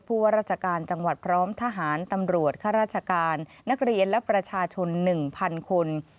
ว่าราชการจังหวัดพร้อมทหารตำรวจข้าราชการนักเรียนและประชาชน๑๐๐๐คน